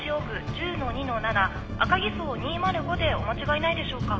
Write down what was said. １０の２の７あかぎ荘２０５でお間違いないでしょうか？